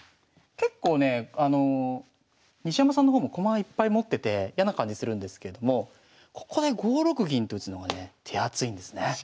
結構ねえあの西山さんの方も駒をいっぱい持ってて嫌な感じするんですけれどもここで５六銀と打つのがね手厚いんですね。